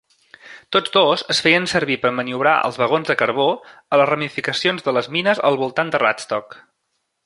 Tots dos es feien servir per maniobrar els vagons de carbó a les ramificacions de les mines al voltant de Radstock.